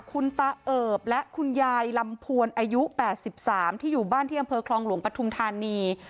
คุณตาเอิบและคุณยายลำพวนอายุ๘๓ที่อยู่บ้านที่อำเภอคลองหลวงปทุมธานี